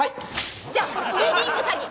じゃあウエディング詐欺！